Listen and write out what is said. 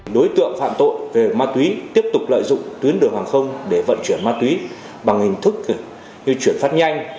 đối tượng phạm tội về ma túy tiếp tục lợi dụng tuyến đường hàng không để vận chuyển ma túy bằng hình thức như chuyển phát nhanh